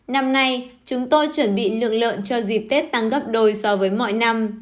năm nay chúng tôi chuẩn bị lượng lợn cho dịp tết tăng gấp đôi so với mọi năm